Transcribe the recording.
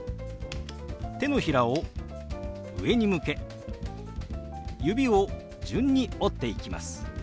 手のひらを上に向け指を順に折っていきます。